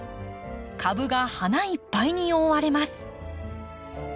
株が花いっぱいに覆われます。